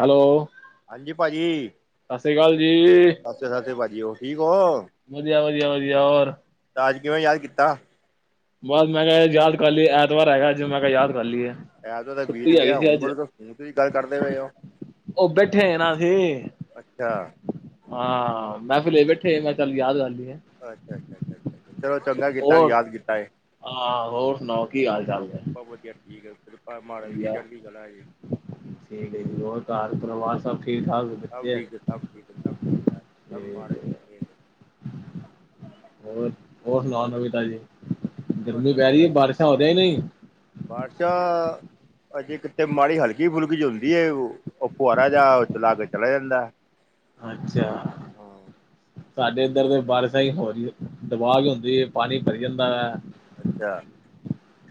Hello, ਹਾਂਜੀ ਭਾਜੀ ਸਤਿ ਸ੍ਰੀ ਅਕਾਲ ਜੀ। ਸਤਿ ਸ੍ਰੀ ਅਕਾਲ ਭਾਅ ਜੀ, ਹੋਰ ਠੀਕ ਹੋ? ਵਧੀਆ -ਵਧੀਆ, ਵਧੀਆ ਹੋਰ? ਤਾਜ, ਕਿਵੇਂ ਯਾਦ ਕੀਤਾ? ਬਸ ਮੈਂ ਕਿਹਾ, ਯਾਦ ਕਰ ਲਈਏ, ਐਤਵਾਰ ਹੈਗਾ ਅੱਜ, ਮੈਂ ਕਿਹਾ ਯਾਦ ਕਰ ਲਈਏ ਐਤਵਾਰ ਤਾਂ ਬੀਤ ਛੁੱਟੀ ਹੈਗੀ ਗਿਆ, ਸੀ ਹੁਣ ਅੱਜ ਬੋਲੋ, ਤੁਸੀਂ ਗੱਲ ਕਰਦੇ ਪਏ ਹੋ? ਉਹ ਬੈਠੇ ਆ ਨਾ ਅਸੀ, ਅੱਛਾ ਹਾਂ, ਮਹਿਫ਼ਿਲ ਲਾਈ ਕਿਤੇ ਬੈਠੇ ਹਾਂ। ਚੱਲ, ਯਾਦ ਕਰ ਲਈਏ। ਅੱਛਾ -ਅੱਛਾ, ਚਲੋ ਚੰਗਾ ਕੀਤਾ, ਹੋਰ ਯਾਦ ਕੀਤਾ ਏ। ਹਾਂ ਹੋਰ ਸੁਣਾਉ, ਕੀ ਹਾਲ- ਚਾਲ ਨੇ? ਬਸ ਵਧੀਆ ਠੀਕ ਹੈ, ਕਿਰਪਾ ਹੈ, ਮਹਾਰਾਜ ਦੀ ਚੜ੍ਹਦੀਕਲਾ ਕਲਾ ਹੈ ਜੀ। ਠੀਕ ਹੈ ਜੀ, ਹੋਰ ਘਰ ਪਰਿਵਾਰ ਸਭ ਠੀਕ -ਠਾਕ? ਸਭ ਬੱਚੇ ਠੀਕ ਹੈ, ਸਭ ਠੀਕ ਹੈ, ਸਭ ਠੀਕ ਹੈ, ਸਭ ਮਹਾਰਾਜ ਦੀ ਮਿਹਰ ਹੈ। ਹੋਰ, ਹੋਰ ਸੁਣਾਉ ਨਵੀਂ ਤਾਜੀ, ਗਰਮੀ ਪੈ ਰਹੀ ਹੈ, ਬਾਰਿਸ਼ਾਂ ਹੋ ਰਹੀ ਕਿ ਨਹੀਂ? ਬਾਰਸ਼ਾਂ ਅਜੇ ਕਿੱਥੇ, ਮਾੜੀ ਹਲਕੀ ਫੁਲਕੀ ਜੀ ਹੁੰਦੀ ਹੈ, ਉਹ ਫੁਆਰਾ ਜਿਹਾ ਚਲਾ ਕੇ ਚਲਾ ਜਾਂਦਾ। ਅੱਛਾ। ਹਾਂ ਸਾਡੇ ਇੱਧਰ ਤੇ ਬਾਰਿਸ਼ਾਂ ਹੀ ਹੋ ਰਹੀ, ਦਬਾਅ ਕੇ ਹੁੰਦੀ ਹੈ ਪਾਣੀ ਭਰੀ ਜਾਂਦਾ ਹੈ। ਅੱਛਾ,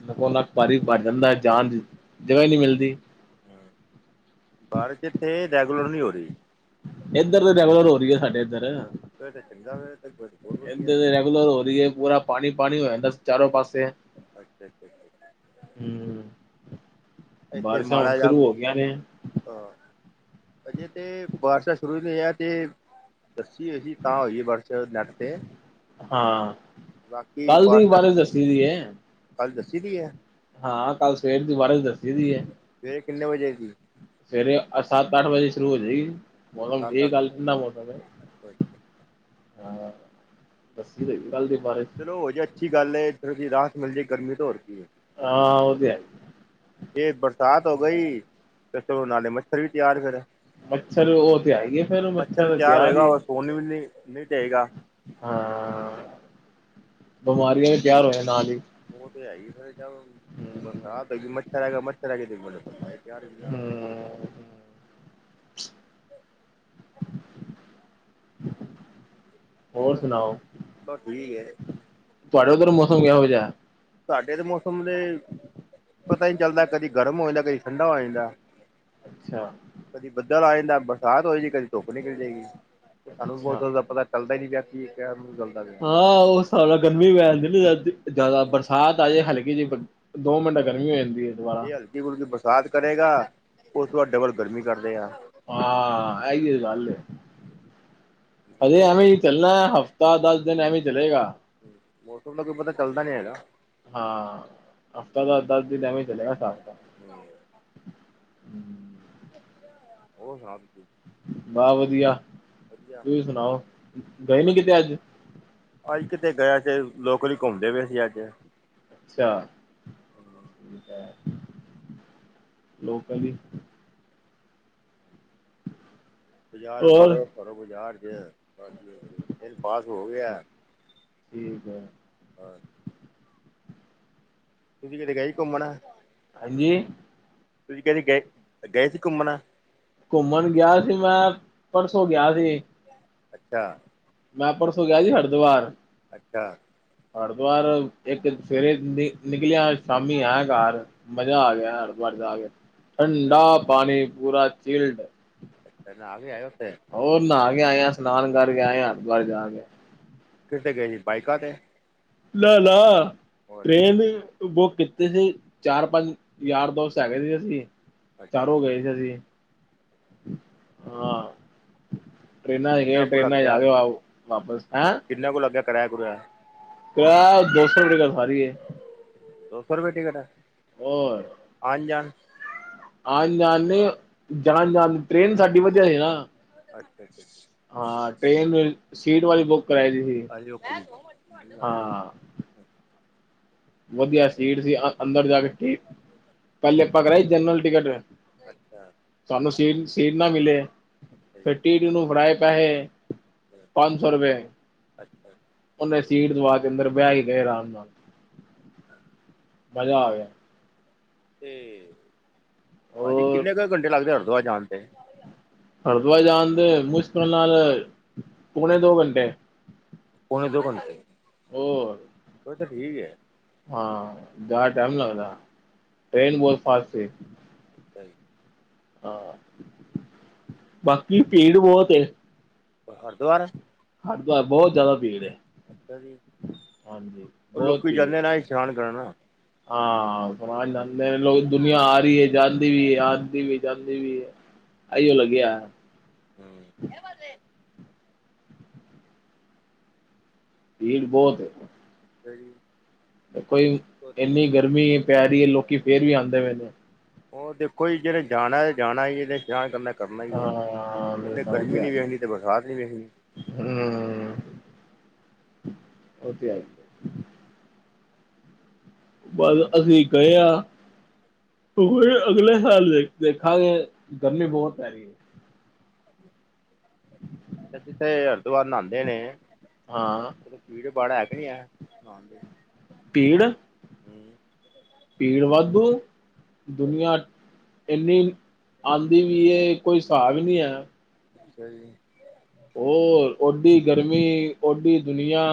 ਨੱਕੋ -ਨੱਕ ਪਾਣੀ ਭਰ ਜਾਂਦਾ, ਜਾਣ ਦੀ ਜਗ੍ਹਾ ਹੀ ਨਹੀਂ ਮਿਲਦੀ। ਬਾਰਿਸ਼, ਏਥੇ ਰੈਗੂਲਰ ਨਹੀਂ ਹੋ ਰਹੀ। ਏਧਰ ਤੇ ਰੈਗੂਲਰ ਹੋ ਰਹੀ ਏ, ਸਾਡੇ ਇੱਧਰ [unintelligible] ਬਹੁਤ ਵਧੀਆ ਇਧਰ ਰੈਗੂਲਰ ਹੋ ਰਹੀ ਹੈ, ਪੂਰਾ ਪਾਣੀ -ਪਾਣੀ ਹੋ ਜਾਂਦਾ ਚਾਰੋਂ ਪਾਸੇ। ਅੱਛਾ-ਅੱਛਾ। ਹਮਮ, ਇੱਥੇ ਬਾਰਿਸ਼ਾਂ ਹੁਣ ਮਾੜਾ ਜਿਹਾ ਸ਼ੁਰੂ ਹੋ ਗਈਆਂ ਨੇ। ਅ ਅਜੇ ਤੇ ਬਾਰਿਸ਼ਾਂ, ਸ਼ੁਰੂ ਹੀ ਨਹੀਂ ਹੋਈਆਂ ਤੇ ਦੱਸੀ ਹੋਈ ਸੀ, ਤਾਂ ਹੋਈ, ਏ ਵਟਸਐਪ ਨੈੱਟ 'ਤੇ ਹਾਂ, ਬਾਕੀ ਕੱਲ ਦੀ ਵੀ ਬਾਰਿਸ਼ਾਂ ਬਾਰਿਸ਼ ਦੱਸੀ ਦੀ ਹੈ। ਕੱਲ ਦੱਸੀ ਦੀ ਹੈ ਹਾਂ, ਕੱਲ ਸਵੇਰ ਦੀ ਬਾਰਿਸ਼ ਦੱਸੀ ਦੀ ਹੈ। ਸਵੇਰੇ, ਕਿੰਨੇ ਵਜੇ ਦੀ? ਸਵੇਰੇ ਸੱਤ-ਅੱਠ ਵਜੇ ਸ਼ੁਰੂ ਹੋ ਜਾਏਗੀ। ਮੌਸਮ ਸੱਤ ਠੀਕ, ਅੱਠ ਅੱਜ ਠੰਡਾ ਮੌਸਮ ਇਹ। ਹਾਂ, ਦੱਸੀ ਰ ਕੱਲ ਦੇ ਬਾਰੇ ਚਲੋ ਹੋ ਜੇ ਅੱਛੀ ਗੱਲ ਹੈ, ਇੱਰ ਦੀ ਰਾਹਤ ਮਿਲ ਜਾਏ ਗਰਮੀ ਤੋਂ ਹੋਰ ਕੀ ਹੈ। ਹਾਂ, ਉਹ ਤੇ ਹੈ ਹੀ। ਜ ਬਰਸਾਤ ਹੋ ਗਈ ਤੇ ਚਲੋ ਨਾਲੇ ਮੱਛਰ ਵੀ ਤਿਆਰ ਖੜਾ ਏ। ਮੱਛਰ ਉਹ ਤੇ ਆਈ ਹੈ ਫੇਰ ਮੱਛਰ ਤੇ ਤਿਆਰ ਹੋਏਗਾ ਹੀ ਉਹ ਸੋਨ ਵੀ ਨੀ ਨੀ ਦੇਗਾ। ਹਾਂ। ਬਿਮਾਰੀਆਂ ਵੀ ਤਿਆਰ ਹੋਇਆਂ ਨਾਲ ਹੀ। ਉਹ ਤੇ ਹੈ ਹੀ ਸਰ ਜ ਬਰਸਾਤ ਹੈਗੀ ਮੱਛਰ ਹੈਗਾ, ਮੱਛਰ ਹੈਗੇ ਤੇ ਬੀਮਾਰੀ ਤੈਯਾਰ ਹੈ ਇਹਦੇ ਨਾਲ। ਹੂੰ। ਹੋਰ ਸੁਣਾਓ, ਬਸ ਠੀਕ ਹੈ ਤੁਹਾਡੇ ਉਧਰ ਮੌਸਮ ਕਿਹੋ ਜਿਹਾ ਹੈ? ਸਾਡੇ ਦੇ ਮੌਸਮ ਦੇ ਪਤਾ ਨੀ ਚੱਲਦਾ ਕਦੀ ਗਰਮ ਹੋ ਜਾਂਦਾ, ਕਦੀ ਠੰਡਾ ਹੋ ਜਾਂਦਾ। ਅੱਛਾ। ਕਦੀ ਬੱਦਲ ਆ ਜਾਂਦਾ, ਬਰਸਾਤ ਹੋਏਗੀ ਕਦੀ ਧੁੱਪ ਨਿਕਲ ਜਾਏਗੀ। ਸਾਨੂੰ ਵੀ ਅੱਛਾ ਮੋਸਮ ਦਾ ਪਤਾ ਚੱਲਦਾ ਨੀ ਪਿਆ ਕਿ ਕੇਹਣਾ ਮੋਸਮ ਚਲਦਾ ਪਿਆ? ਆਓ ਉਸ ਗਰਮੀ ਪੈ ਜਾਂਦੀ ਨਾ ਜਿਆਦਾ ਬਰਸਾਤ ਆ ਜਾਏ ਹਲਕੀ ਜੀ ਦੋ ਮਿੰਟੇ ਗਰਮੀ ਹੋ ਜਾਂਦੀ ਹੈ। ਦੁਬਾਰਾ ਜੇ ਹਲਕੀ-ਹੁਲਕੀ ਬਰਸਾਤ ਕਰੇਗਾ ਉਸ ਤੋਂ ਬਾਅਦ ਡਬਲ ਗਰਮੀ ਕਰਦੇਗਾ। ਹਾਂ, ਇਹੀ ਹੋ ਗੱਲ ਏ ਉਹਨਾਂ ਅਸੀਂ ਨੂੰ ਐਵੇਂ ਪਤਾ ਹੀ ਚੱਲਣਾ ਹੈ ਹਫ਼ਤਾ- ਦਸ ਦਿਨ ਐਵੇਂ ਚਲੇਗਾ ਮੌਸਮ ਦਾ ਕੋਈ ਪਤਾ ਚੱਲਦਾ ਨੀ ਹੈਗਾ। ਹਾਂ, ਹਫ਼ਤਾ ਦਾ ਦਸ ਦਿਨ ਐਵੇਂ ਹੀ ਚਲੇਗਾ ਹਿਸਾਬ। [inaudible] ਹੂੰ। ਹੋਰ ਸੁਣਾਓ ਤੁਸੀਂ। ਬਾ ਵਧੀਆ ਵਧੀਆ ਤੁਸੀਂ ਸੁਣਾਓ ਗਏ ਨੀ ਕਿਤੇ ਅੱਜ? ਅੱਜ ਕਿਥੇ ਗਏ ਸੀ, ਲੋਕਲ ਹੀ ਘੁੰਮਦੇ ਪਏ ਸੀ ਅੱਜ। ਅੱਛਾ, ਠੀਕ ਹੈ ਲੋਕਲ ਹੀ। ਬਜ਼ਾਰੋ ਹੋਰ ਘਰੋਂ-ਘਰੋਂ ਬਾਜ਼ਾਰ ਗਏ ਆਂ ਬਿਲ ਪਾਸ ਹੋ ਅੱਛਾ, ਗਿਆ। ਠੀਕ ਹੈ। ਹਾਂ। ਤੁਸੀਂ ਕਿਥੇ ਗਏ ਸੀ ਘੁੰਮਣ? ਹਾਂਜੀ। ਤੁਸੀਂ ਕਿਥੇ ਗਏ-ਗਏ ਸੀ ਘੁੰਮਣ? ਘੁੰਮਣ ਗਿਆ ਸੀ ਮੈਂ ਪਰਸੋਂ ਗਿਆ ਸੀ। ਅੱਛਾ। ਮੈਂ ਪਰਸੋਂ ਗਿਆ ਜੀ ਹਰਿਦੁਵਰ। ਅੱਛਾ। ਹਰਿਦੁਵਾਰ ਇੱਕ ਸੇਵੇਰੇ ਨਿਕਲਿਆ ਅੱਜ। ਸ਼ਾਮੀ ਆਇਆ ਘਰ ਮਜ਼ਾ ਆ ਅੱਛਾ ਗਿਆਾਰ ਹਰਿਦੁਵਾਰ ਜਾ ਕੇ ਅੱਛਾ ਠੰਡਾ ਜੀ ਪਾਣੀ ਪੂਰਾ ਚੀਲਡ ਅੱਛਾ, ਨਹਾ ਵੀ ਆਇਓ ਉਹਥੇ ਹੋਰ ਨਹਾ ਕੇ ਆਏ ਆ, ਇਸ਼ਨਾਨ ਕਰ ਕੇ ਆਏ, ਹਾਂ ਹਰੀਧਵਾਰ ਜਾਕੇ। ਕਿਦੇ ਤੇ ਗਏ ਸੀ ਬਾਇਕਾ ਤੇ ਨਾ-ਨਾ ਹੋਰ ਟ੍ਰੇਨ। ਬੁਕ ਕਿੱਤੇ ਸੀ ਚਾਰ-ਪੰਜ ਯਾਰ-ਦੋਸਤ ਹੈਗੇ ਸੀ ਅਸੀਂ। ਅੱਛਾ ਚਾਰੋ ਗਏ ਸੀ ਅਸੀਂ ਹਾਂ। ਟ੍ਰੇਨਾਂ ਚ ਗਏ ਕਿੰਨਾ ਟ੍ਰੇਨਾਂ ਚ ਆ ਗਏ ਵਾਪਸ ਹਾਂ। ਕਿਨਾ ਕੁ ਲਗਿਆ ਕਿਰਾਇਆ ਕੁਰਯਾ ਕਿਰਾਯਾ ਦੋ ਸੌ ਰੁਪਏ ਤਾ ਸਾਰੀ ਏ। ਦੋ ਸੋਂ ਰੁਪਏ ਟਿਕਟ। ਹੋਰ ਆਨ ਜਾਨ ਆਨ ਜਾਨ ਨੀ, ਜਾਨ-ਜਾਨ ਟ੍ਰੇਨ ਸਾਡੀ ਵਧੀਆ ਏ ਨਾ। ਅੱਛਾ, ਅੱਛਾ, ਅੱਛਾ, ਅੱਛਾ। ਹਾਂ ਟ੍ਰੇਨ ਵੀ ਸੀਟ ਵਾਇਜ਼ ਬੁੱਕ ਕਰਾਈ ਦੀ ਸੀ ਹਾਂ [unintelligible] ਅੱਛਾ ਵਧੀਆ ਸੀਟ ਸੀ, ਆ ਅੰਦਰ ਜਾ ਕੇ ਠੀ ਪਹਿਲੇ ਆਪਾਂ ਕਰਾਈ ਜਨਰਲ ਟਿਕਟ। ਅੱਛਾ। ਸਾਨੂੰ ਸੀਟ-ਸੀਟ ਨਾ ਮਿਲੇ ਅੱਛਾ ਜੀ ਫਿਰ ਟੀਸੀ ਨੂੰ ਫੜਾਏ ਪੈਹੇ। ਪੰਜ ਸੌ ਰੁਪਏ, ਅੱਛਾ ਉਹਨੇ ਸੀਟ ਦਵਾ ਕੇ ਅੰਦਰ ਬੈ ਕੇ ਗਏ ਆਰਾਮ ਨਾਲ। ਮਜ਼ਾ ਆ ਗਿਆ। ਤੇ ਭਾਜੀ ਹੋਰ ਕਿੰਨੇ ਕੁ ਘੰਟੇ ਲੱਗਦੇ ਹਰਿਦੁਆਰ ਜਾਨ ਤੇ? ਹਰਿਦੁਆਰ ਜਾਨ ਦੇ ਮੁਸ਼ਕਿਲ ਨਾਲ ਪੋਨੇ ਦੋ ਘੰਟੇ। ਪੋਨੇ ਦੋ ਘੰਟੇ, ਹੋਰ ਫੇਰ ਤੇ ਠੀਕ ਏ। ਹਾਂ ਜਾਦਾ ਟਾਈਮ ਨੀ ਲਗਦਾ, ਟ੍ਰੇਨ ਬੋਤ ਫਾਸਟ ਸੀ। ਅੱਛਾ ਜੀ। ਹਾਂ, ਬਾਕੀ ਭੀੜ ਬੋਤ ਏ। ਹਰਦੁਆਰ? ਹਰਦੁਆਰ ਬੋਤ ਜ਼ਿਆਦਾ ਭੀੜ ਏ। ਅੱਛਾ ਜੀ, ਉਹ ਬਹੁਤ ਲੋਕੀ ਭੀੜ ਜਾਂਦੇ ਨਾ ਇਸ਼ਨਾਨ ਕਰਨ। ਹਾਂ, [unintelligible] ਜਾਂਦੇ ਲੋਕ, ਦੁਨੀਆਂ ਆ ਰਹੀ ਹੈ ਜ ਵੀ ਆਂਦੀ ਵੀ ਏ, ਜਾਂਦੀ ਵੀ ਏ, ਅਈਓ ਲੱਗਿਆ। ਹੂੰ। ਭੀੜ ਬੋਤ ਏ। ਅੱਛਾ ਜੀ। ਦੇਖੋ ਜੀ, ਇੰਨੀ ਗਰਮੀ ਪੈ ਰੀ ਏ, ਲੋਕੀ ਫੇਰ ਵੀ ਆਂਦੇ ਪਏ ਨੇ। ਉਹ ਦੇਖੋ ਜੀ, ਜਿੰਨੇ ਜਾਨਾ ਏ, ਜਾਨਾ ਈ ਏ ਤੇ ਇਸਨਾਨ ਕਰਨਾ ਕਰਨਾ ਹੀ ਐ। ਹਾਂ ਮੇਰੇ ਓਨੇ ਸਮਝ ਗਰਮੀ ਆ ਨੀ ਗਈ ਵੇਖਨੀ ਤੇ ਬਰਸਾਤ ਨੀ ਵੇਖਨੀ। ਹੂੰ, ਉਹ ਤੇ ਹੈ। ਬਸ ਅਸੀਂ ਗਏ ਆਂ ਤੇ ਹੁਨ ਅਗਲੇ ਸਾਲ ਈ ਦੇਖ, ਦੇਖਾਂਗੇ ਗਰਮੀ ਬੋਤ ਪੈ ਰਹੀ ਐ। ਜਿੱਥੇ ਹਰਿਦੁਆਰ ਨਹਾਂਦੇ ਨੇ ਹਾਂ ਓਥੇ ਭੀੜ ਭਾੜ ਹੈ ਕੇ ਨਹੀਂ ਹੈ ਨਹਾਣ ਦੀ ਭੀੜ ਹੂੰ। ਭੀੜ ਵਾਧੂ, ਦੁਨੀਆਂ ਏਨੀ ਆਂਦੀ ਵੀ ਏ, ਕੋਈ ਹਿਸਾਬ ਹੀ ਨੀ ਐ। ਅੱਛਾ ਜੀ। ਹੋਰ ਓਡੀ ਗਰਮੀ, ਓਡੀ ਦੁਨੀਆਂ।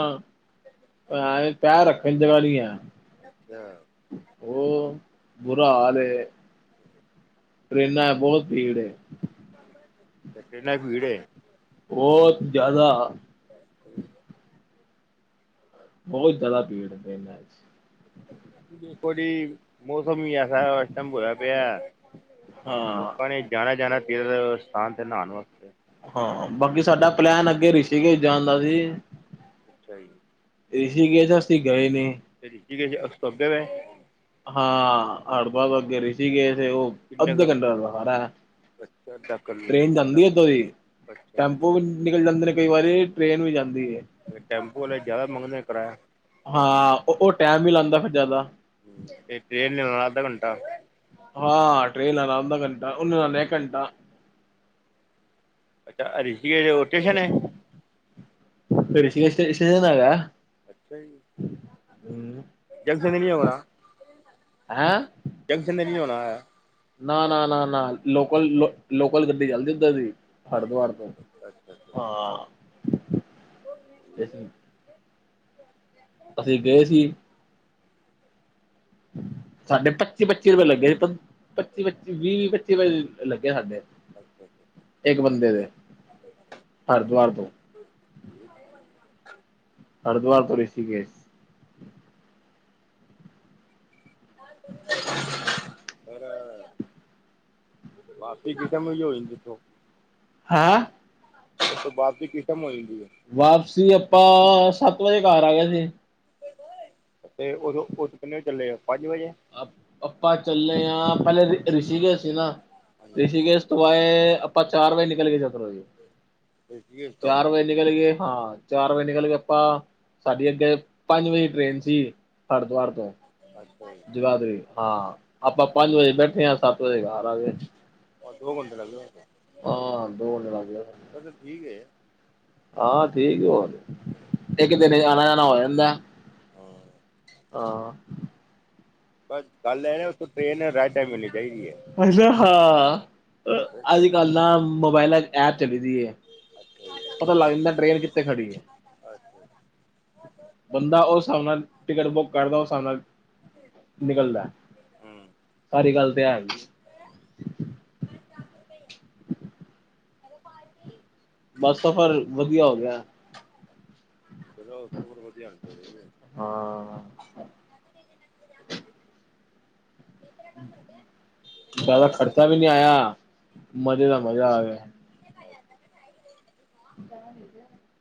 [unintelligible] ਪੈਰ ਰੱਖਨ ਜਗਹ ਨੀ ਐ। ਅੱਛਾ। ਉਹ ਬੁਰਾ ਹਾਲ ਏ। ਟਰੇਨਾਂ ਬੋਤ ਭੀੜ ਏ। ਤੇ ਟ੍ਰੇਨਾਂ 'ਚ ਭੀੜ ਏ। ਬੋਤ ਜਾਦਾ। [unintelligible] ਬੋਤ ਜਾਦਾ ਭੀੜ ਐ ਟ੍ਰੇਨਾਂ 'ਚ। ਦੇਖੋ ਜੀ ਮੌਸਮ ਈ ਐਸਾ ਏਸ ਟਮ ਹੋਇਆ ਪਿਆ ਹਾਂ ਲੋਕਾਂ ਨੇ। ਜਾਣਾ ਜਾਣਾ ਫੇਰ ਸਥਾਨ ਤੇ ਨਾਣ ਵਾਸਤੇ। ਹਾਂ, ਬਾਕੀ ਸਾਡਾ ਪਲੈਨ ਅੱਗੇ ਰਿਸ਼ੀਕੇਸ਼ ਜਾਣ ਦਾ ਸੀ। ਅੱਛਾ ਜੀ। ਰਿਸ਼ੀਕੇਸ਼ ਅਸੀ ਗਏ ਨੇ। ਰਿਸ਼ੀਕੇਸ਼ ਉਸ ਤੋ ਅੱਗੇ ਵੇ। ਹਾਂ, ਹਰਦੁਆਰ ਤੋਂ ਅੱਗੇ ਰਿਸ਼ੀਕੇਸ਼ ਏ ਓ। ਕਿੰਨੇ ਕੁ ਅੱਧੇ ਘੰਟੇ ਦਾ ਸਾਰਾ ਅੱਛਾ ਅੱਧਾ ਕਿਲੋ ਟ੍ਰੇਨ ਅੱਧਾ ਜਾਂਦੀ ਉਦੋਂ ਦੀ ਅੱਛਾ ਟੈਂਪੋ ਵੀ ਨਿਕਲ ਜਾਂਦੇ ਨੇ ਕਈ ਵਾਰੀ ਟ੍ਰੇਨ ਵੀ ਜਾਂਦੀ ਐ। ਟੈਂਪੂ ਵਾਲੇ ਜ਼ਿਆਦਾ ਮੰਗਦੇ ਕਿਰਾਇਆ। ਹਾਂ ਓ ਓ ਟੈਮ ਵੀ ਲਾਂਦਾ ਫ਼ੇਰ ਜਾਦਾ। ਹ ਤੇ ਟ੍ਰੇਨ ਨੇ ਲਾਣਾ ਅੱਧਾ ਘੰਟਾ। ਹਾਂ ਟ੍ਰੇਨ ਲਾਨਾ ਅੱਧਾ ਘੰਟਾ ਓਨੇ ਲਾਨਾ ਇੱਕ ਘੰਟਾ। ਅੱਛਾ ਰਿਸ਼ੀਕੇਸ਼ ਹੋਰ ਸ਼ਟੇਸ਼ਨ ਐ। ਰਿਸ਼ਿਕੇਸ਼ ਤੇ ਰਿਸ਼ੀਕੇਸ਼ ਹੈਗਾ। ਅੱਛਾ ਜੀ ਜੰਕਸ਼ਨ ਤੇ ਨੀ ਹੋਣਾ ਹੈਂ ਜੰਕਸ਼ਨ ਤੇ ਨੀ ਹੋਣਾ ਐ। ਨਾ ਨਾ ਨਾ ਨਾ ਲੋਕਲ ਲੋਕਲ ਗੱਡੀ ਚੱਲਦੀ ਓਧਰ ਦੀ। ਅੱਛਾ ਹਰਦੁਆਰ ਅੱਛਾ ਤੋ ਅੱਛਾ ਅੱਛਾ ਅਸੀਂ ਗਏ ਸੀ ਸਾਡੇ ਪੱਚੀ-ਪੱਚੀ ਰੁਪਏ ਲੱਗੇ ਸੀ। ਪੱਚੀ-ਪੱਚੀ, ਵੀਹ-ਵੀਹ ਪੱਚੀ ਵਲ ਲੱਗੇ ਸਾਡੇ ਅੱਛਾ ਇੱਕ ਬੰਦੇ ਦੇ ਹਰਦੁਆਰ ਤੋਂ ਹਰਦਵਾਰ ਤੋਂ ਰਿਸ਼ੀਕੇਸ਼ [inaudible] ਫੇਰ ਵਾਪਸੀ ਕਿਸ ਟਾਈਮ ਦੀ ਹੋ ਜਾਂਦੀ ਓਥੋਂ ਹੈਅ ਓਥੋਂ ਵਾਪਸੀ ਕਿਸ ਟੈਮ ਹੋ ਜਾਂਦੀ ਐ। ਵਾਪਸੀ ਆਪਾਂ ਸੱਤ ਵਜੇ ਘਰ ਆ ਗਏ ਸੀ। ਤੇ ਉਦੋਂ ਉਦੋਂ ਕਿੰਨੇ ਵਜੇ ਚੱਲੇ ਓ ਪੰਜ ਵਜੇ ਅਪ ਆਪਾ ਚੱਲੇ ਆ ਪਹਿਲੇ ਰਿ ਰਿਸ਼ੀਕੇਸ਼ ਸੀ ਨਾ ਰਿਸ਼ੀਕੇਸ਼ ਤੋ ਆਏ ਆਪਾਂ ਚਾਰ ਵਜੇ ਨਿਕਲ ਗਏ ਸੀ ਓਧਰੋਂ ਦੀ, ਰਿਸ਼ੀਕੇਸ਼ ਤੋਂ ਚਾਰ ਵਜੇ ਨਿਕਲ ਗਏ ਹਾਂ, ਚਾਰ ਵਜੇ ਅੱਛਾ ਨਿਕਲ ਗਏ ਆਪਾਂ ਸਾਡੀ ਅੱਗੇ ਪੰਜ ਵਜੇ ਦੀ ਟ੍ਰੇਨ ਸੀ ਹਰਦੁਆਰ ਤੋਂ ਅੱਛਾ ਜ ਜਗਾਦਰੀ ਹਾਂ ਆਪਾਂ ਪੰਜ ਵਜੇ ਬੈਠੇ ਆ ਸੱਤ ਵਜੇਰ ਘਰ ਆ ਗਏ। ਬਸ ਦੋ ਘੰਟੇ ਲੱਗਦੇ। ਹਾਂ ਦੋ ਘੰਟੇ ਲਗ ਜਾਂਦੇ ਨੇ। ਅ ਤੇ ਠੀਕ ਏ। ਹਾਂ ਠੀਕ ਐ ਹੋਰ ਇੱਕ ਦਿਨ ਆਣਾ ਜਾਣਾ ਹੋ ਜਾਂਦਾ ਹਾਂ ਆ। ਬਸ ਗੱਲ ਐਹ ਨ ਉਥੋ ਟ੍ਰੇਨ ਰਾਈਟ ਟਾਈਮ ਮਿਲਣੀ ਚਾਹੀਦੀ ਐ। ਅਛਾ ਹਾਂ ਅੱਛਾ ਅੱਜ ਕੱਲ ਨਾ ਮੋਬਾਇਲਾ ਚ ਐਪ ਚਲੀ ਦੀ ਐ। ਪਤਾ ਲਗ ਜਾਦਾ ਟ੍ਰੇਨ ਕਿੱਥੇ ਖੜੀ ਐ। ਬੰਦਾ ਉਸ ਹਿਸਾਬ ਨਾਲ ਟਿਕਟ ਬੁੱਕ ਕਰਦਾ ਉਸ ਹਿਸਾਬ ਨਾਲ ਨਿਕਲਦਾ ਹੂੰ ਸਾਰੀ ਗੱਲ ਤੇ ਐਹ ਹੈਗੀ। ਬੱਸ ਸਫ਼ਰ ਵਧੀਆ ਹੋ ਗਿਆ। ਚਲੋ ਸਫ਼ਰ ਵਧੀਆ ਹੋਣਾ ਚਾਹੀਦੇ। ਹਾਂ ਜ਼ਿਆਦਾ ਖ਼ਰਚਾ ਵੀ ਨਈ ਆਇਆ, ਮਜ਼ੇ ਦਾ ਮਜ਼ਾ ਆ ਗਿਆ। [unintelligible] [inaudible]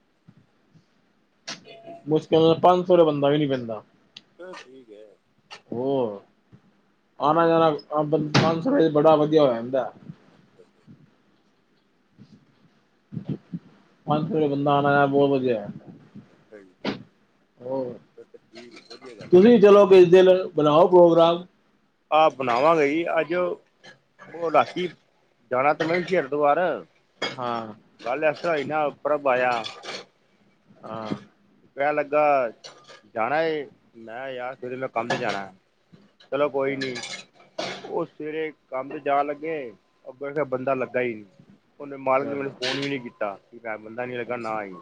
ਤੇ [inaudible] ਕੁਛ ਕ ਪੰਜ ਸੌ ਦਾ ਬੰਦਾ ਵੀ ਨੀ ਪੈਂਦਾ। ਚ ਠੀਕ ਹੈ। ਹੋਰ ਆਣਾ ਜਾਣਾਸ [unintelligible] ਪੰਜ ਸੌ ਚ ਬੜਾ ਵਧੀਆ ਹੋ ਜਾਂਦਾ। [inaudible] ਪੰਜ ਸ ਬੰਦਾ ਆਉਣਾ ਬਹੁਤ ਵਧੀਆ। ਫਿਰ ਹੋਰ ਤਾਂ ਠੀਕ ਵਧੀਆ ਗੱਲ ਤੁਸੀਂ ਚਲੋ ਕਿਸ ਦਿਨ ਬਣਾਓ ਪ੍ਰੋਗਰਾਮ। ਆ ਬਣਾਵਾਂਗੇ ਜੀ ਅੱਜ ਉਹ ਰਾਸੀੀ ਜਾਣਾ ਤਾਂ ਮੈਂ ਹਰਦੁਵਰ [unintelligible] ਹਾਂ। ਗੱਲ ਐਸ ਤਰਾਂ ਹੋਈ ਨਾ ਉੱਪਰ ਪਾਇਆ। ਹਾਂ। ਕਹਿਣ ਲੱਗਾ, ਜਾਣਾ ਏ। ਮੈਂ ਯਾਰ, ਫਿਰ ਮੈਂ ਕੰਮ ਜਾਣਾ। ਚਲੋ ਕੋਈ ਅੱਛਾ ਨੀ। ਓ ਸਵੇਰੇ ਕੰਮ 'ਚ ਜਾਣ ਲੱਗੇ, ਓ ਕੇਂਦੇ, ਬੰਦਾ ਲਗਾ ਈ ਨੀ। ਉਹਨੇ ਮਾਲਕ ਨੇ ਚਲੋ ਮੈਨੂੰ ਫੋਨ ਵੀ ਨੀ ਕੀਤਾ ਕਿ ਮੈਂ ਬੰਦਾ ਨੀ ਲੱਗਾ ਨਾ ਆਈ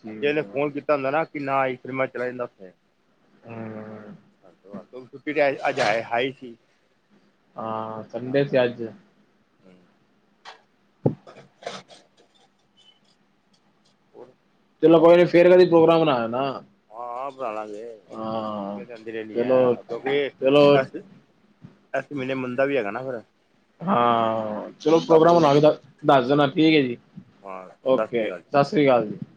ਠੀਕ ਚਲ ਹੈ ਹੁੰਦਾ [unintelligible] ਨਾ ਕਿ ਨਾ ਆਈ ਫਿਰ ਮੈਂ ਚਲਾ ਜਾਂਦਾ ਉੱਥੇ। ਹਮ ਛੁ ਅਜਏ ਹੈ ਹੀ ਸੀ। [unintelligible] ਹਾਂ ਸੰਡੇ ਸੀ ਅਜ। ਹੂੰ। ਹੋਰ ਚਲ ਕੋਈ ਨੇ ਫੇਰ ਕਦੀ ਪ੍ਰੋਗਰਾਮ ਬਣਾਇਆ ਨਾ। ਹਾਂ ਬਣਾ ਲਾਂਗੇ ਹਾਂ ਕੇਦੀ ਰੀਆਂ ਚਲੋ ਚਲੋ [unintelligible] ਐਸ ਮਹੀਨੇ ਮੰੰਦਾ ਵੀ ਹੈਗਾ ਨਾ ਫੇਰ। ਹਾਂ। ਚਲੋ, ਪ੍ਰੋਗਰਾਮ ਬਣਾ ਲੈਣਾ, ਦੱਸ ਦੇਣਾ ਠੀਕ ਹੈ ਜੀ। ਹਾਂ ਸਤਿ ਸ਼੍ਰੀ ਅਕਾਲ ਓਕੇ ਜੀ ਸਤਿ ਸ੍ਰੀ ਅਕਾਲ ਜੀ।